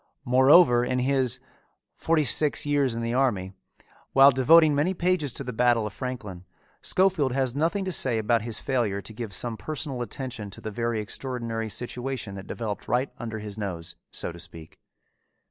Moreover in his Forty six Years in the Army, while devoting many pages to the Battle of Franklin, Schofield has nothing to say about his failure to give some personal attention to the very extraordinary situation that developed right under his nose, so to speak.